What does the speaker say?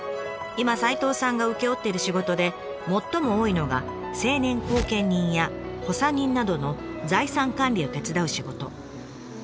今齋藤さんが請け負っている仕事で最も多いのが成年後見人や保佐人などの財産管理を手伝う仕事。